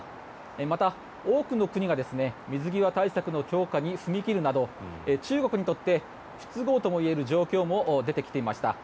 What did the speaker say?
また、多くの国が水際対策の強化に踏み切るなど中国にとって不都合ともいえる状況も出てきていました。